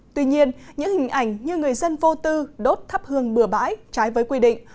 tuy nhiên những hình ảnh như người dân vô tư đốt thắp hương bừa bãi trái với quy định